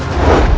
aku mau makan